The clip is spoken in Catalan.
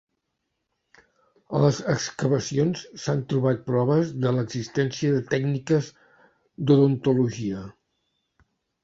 A les excavacions, s'han trobat proves de l'existència de tècniques d'odontologia.